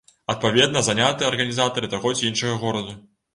Адпаведна, занятыя арганізатары таго ці іншага гораду.